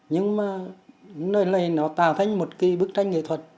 nhưng mà nơi này nó tạo thành một cái bức tranh nghệ thuật